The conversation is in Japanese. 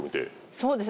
そうですね